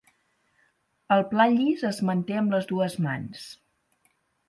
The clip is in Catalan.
El pla llis es manté amb les dues mans.